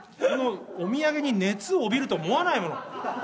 このお土産に熱を帯びると思わないもの。